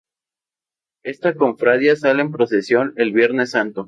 Esta cofradía sale en procesión el Viernes Santo.